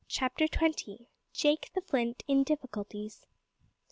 CHAPTER TWENTY. JAKE THE FLINT IN DIFFICULTIES.